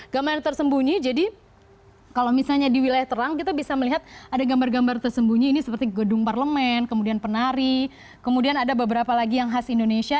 gambar tersembunyi jadi kalau misalnya di wilayah terang kita bisa melihat ada gambar gambar tersembunyi ini seperti gedung parlemen kemudian penari kemudian ada beberapa lagi yang khas indonesia